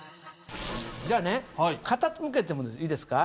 じゃあね傾けてもいいですか？